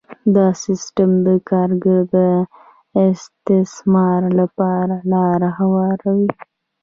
دا سیستم د کارګر د استثمار لپاره لاره هواروي